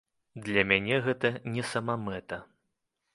Для мяне гэта не самамэта.